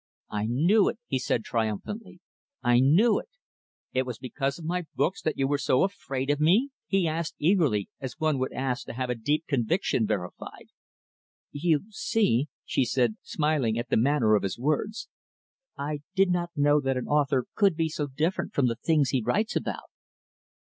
"I knew it" he said triumphantly "I knew it. It was because of my books that you were so afraid of me?" He asked eagerly, as one would ask to have a deep conviction verified. "You see," she said, smiling at the manner of his words, "I did not know that an author could be so different from the things he writes about."